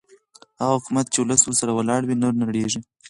هغه حکومت چې ولس ورسره ولاړ وي نه نړېږي